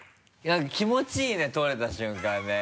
気持ちいいね取れた瞬間ね。